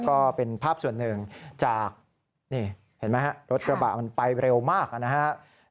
ก็เป็นภาพส่วนหนึ่งจากรถกระบะมันไปเร็วมากนะครับ